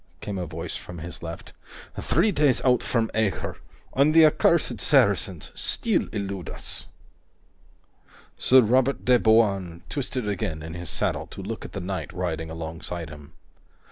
came a voice from his left. "Three days out from Acre, and the accursed Saracens still elude us." Sir Robert de Bouain twisted again in his saddle to look at the knight riding alongside him.